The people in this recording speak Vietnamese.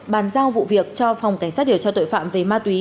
bàn giao vụ việc cho phòng cảnh sát điều tra tội phạm về ma túy